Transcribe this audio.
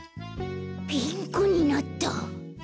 ピンクになった。